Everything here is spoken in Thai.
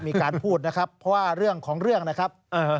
มีการพูดนะครับเพราะว่าเรื่องของเรื่องนะครับ